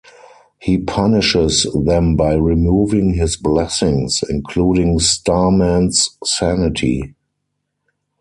He punishes them by removing his blessings, including Starman's sanity.